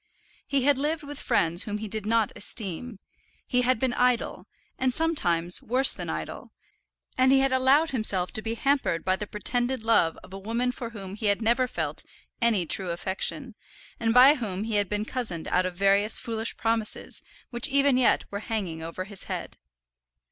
He had lived with friends whom he did not esteem; he had been idle, and sometimes worse than idle; and he had allowed himself to be hampered by the pretended love of a woman for whom he had never felt any true affection, and by whom he had been cozened out of various foolish promises which even yet were hanging over his head.